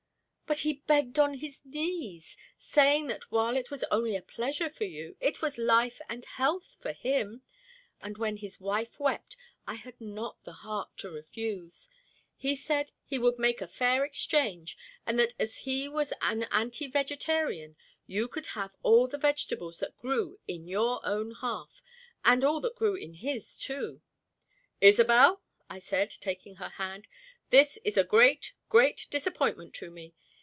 "But he begged on his knees, saying that while it was only a pleasure for you, it was life and health for him, and when his wife wept, I had not the heart to refuse. He said he would make a fair exchange, and that as he was an anti vegetarian you could have all the vegetables that grew in your own half, and all that grew in his, too." "Isobel," I said, taking her hand, "this is a great, great disappointment to me.